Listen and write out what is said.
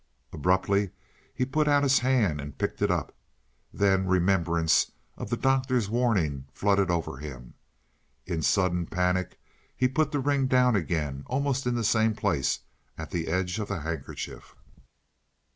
Abruptly he put out his hand and picked it up. Then remembrance of the Doctor's warning flooded over him. In sudden panic he put the ring down again, almost in the same place at the edge of the handkerchief.